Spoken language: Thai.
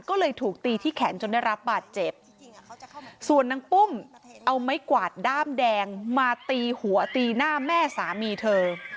ก็เลยถูกตีที่แขนจนได้รับบาดเจ็บส่วนนางปุ้มเอาไม้กวาดด้ามแดงมาตีหัวตีหน้าแม่สามีเธอ